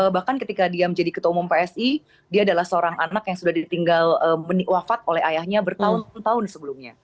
bahkan ketika dia menjadi ketua umum psi dia adalah seorang anak yang sudah ditinggal wafat oleh ayahnya bertahun tahun sebelumnya